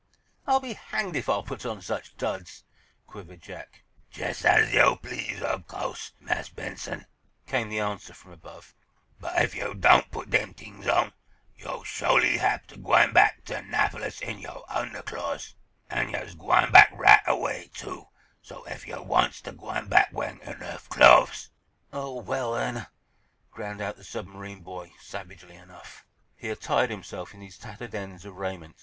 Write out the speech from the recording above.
"I'll be hanged if I'll put on such duds!" quivered Jack. "Jes' as yo' please, ob co'se, Marse Benson," came the answer, from above. "But, ef yo' don' put dem t'ings on, yo'll sho'ly hab ter gwine back ter 'Napolis in yo' undahclo's. An' yo's gwine back right away, too, so, ef yo' wants ter gwine back weahin' ernuff clo'es—" "Oh, well, then—!" ground out the submarine boy, savagely enough. He attired himself in these tattered ends of raiment.